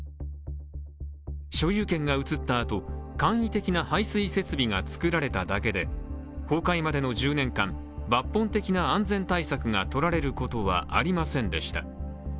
所有権が移ったあと、簡易的な排水設備が作られただけで崩壊までの１０年間、抜本的な安全対策がとられることはありませんでした。